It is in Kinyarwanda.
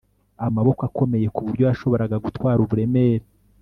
Amaboko akomeye kuburyo yashoboraga gutwara uburemere